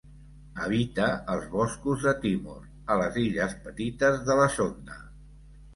Habita els boscos de Timor, a les Illes Petites de la Sonda.